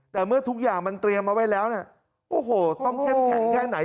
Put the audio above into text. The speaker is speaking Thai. แต่เมื่อทุกอย่างมันเตรียมเอาไว้แล้วเนี่ยโอ้โหต้องเข้มแข็งแค่ไหน